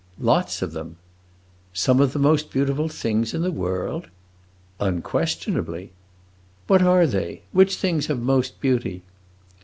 "Lots of them." "Some of the most beautiful things in the world?" "Unquestionably." "What are they? which things have most beauty?"